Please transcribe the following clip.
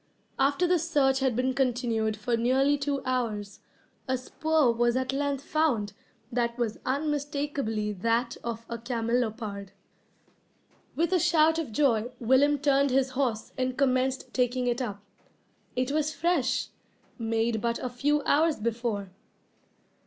After the search had been continued for nearly two hours, a spoor was at length found that was unmistakably that of a camelopard. With a shout of joy Willem turned his horse and commenced taking it up. It was fresh, made but a few hours before.